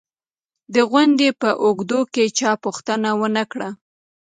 د غونډې په اوږدو کې چا پوښتنه و نه کړه